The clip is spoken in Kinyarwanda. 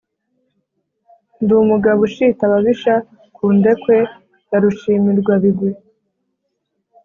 Ndi umugabo ushita ababisha ku ndekwe wa rushimirwabigwi,